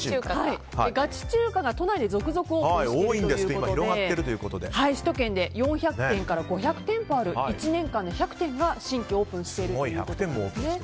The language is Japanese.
ガチ中華が都内に続々オープンしているということで首都圏で４００店から５００店舗ある１年間で１００店が新規オープンしているということです。